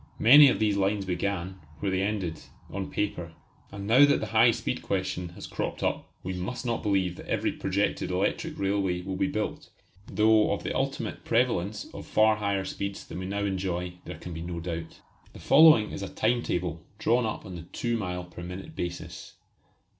Many of these lines began, where they ended, on paper. And now that the high speed question has cropped up, we must not believe that every projected electric railway will be built, though of the ultimate prevalence of far higher speeds than we now enjoy there can be no doubt. The following is a time table drawn up on the two mile per minute basis.